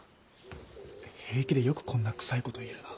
平気でよくこんなくさいこと言えるな。